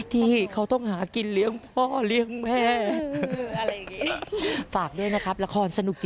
ที่เขาต้องหากินเลี้ยงพ่อเลี้ยงแม่ฝากด้วยนะครับละครสนุก